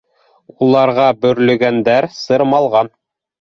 Уларға бөрлөгәндәр сырмалған